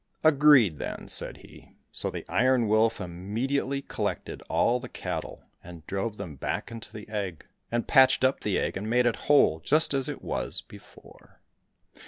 Agreed, then," said he. So the Iron Wolf immediately collected all the cattle, and drove them back into the egg, and patched up the egg and made it whole just as it was before.